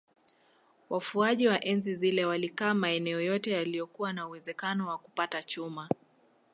Wafuaji wa enzi zile walikaa maeneo yote yaliyokuwa na uwezekano wa kupata chuma